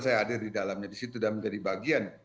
saya hadir di dalamnya di situ dan menjadi bagian